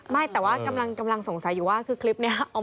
ไม่แต่ว่ากำลังสงสัยอยู่ว่าคือคลิปนี้